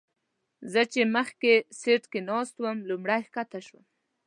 زه چې مخکې سیټ کې ناست وم لومړی ښکته شوم.